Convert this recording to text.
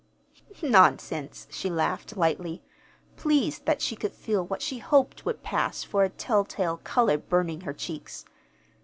"Nonsense!" she laughed lightly, pleased that she could feel what she hoped would pass for a telltale color burning her cheeks.